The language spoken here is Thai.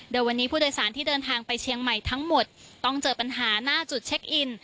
โดยวันนี้ผู้โดยสารที่เดินทางไปเชียงใหม่ทั้งหมดต้องเจอปัญหาหน้าจุดเช็คอิน